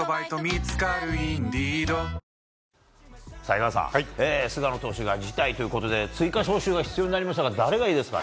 江川さん菅野投手が辞退ということで追加招集が必要になりましたが誰がいいですか？